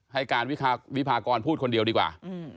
ให้การวิพากรพูดคนเดียวดีกว่า